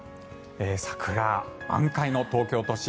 桜、満開の東京都心